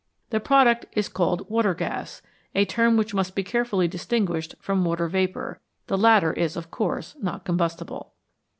The product is called " water gas," a term which must be carefully distinguished from "water vapour"; the latter is of course not combustible.